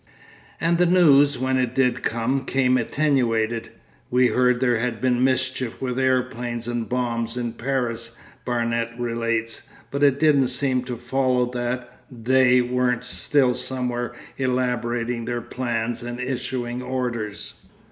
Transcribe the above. And the news, when it did come, came attenuated. 'We heard there had been mischief with aeroplanes and bombs in Paris,' Barnet relates; 'but it didn't seem to follow that "They" weren't still somewhere elaborating their plans and issuing orders.